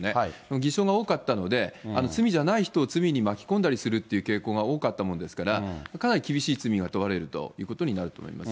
偽証が多かったので、罪じゃない人を罪に巻き込んだりするという傾向が多かったもんですから、かなり厳しい罪が問われるということになると思います。